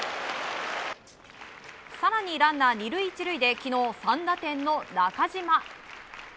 更に、ランナー２塁１塁で昨日３打点の中島。